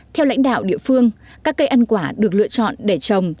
theo lãnh đạo địa phương các cây ăn quả được lựa chọn để trồng